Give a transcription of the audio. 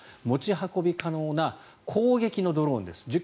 持ち運び可能な攻撃のドローンです。